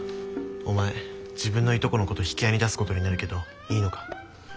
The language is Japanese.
お前自分のいとこのこと引き合いに出すことになるけどいいのか？